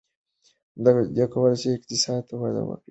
دوی کولای شي اقتصاد ته وده ورکړي.